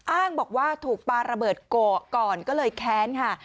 อ้างบอกว่าถูกปลาระเบิดโกะก่อนก็เลยแค้นค่ะ